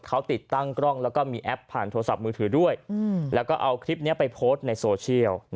เขาติดตั้งกล้องแล้วก็มีแอปผ่านโทรศัพท์มือถือด้วยแล้วก็เอาคลิปนี้ไปโพสต์ในโซเชียล